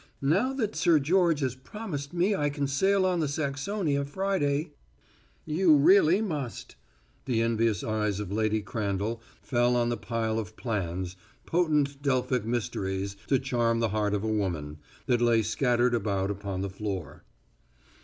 "Now that Sir George has promised me I can sail on the Saxonia Friday " "You really must " The envious eyes of Lady Crandall fell on the pile of plans potent Delphic mysteries to charm the heart of woman that lay scattered about upon the floor.